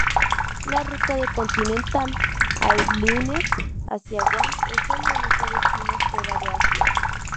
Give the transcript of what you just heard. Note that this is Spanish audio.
La ruta de Continental Airlines hacia Guam es el único destino fuera de Asia.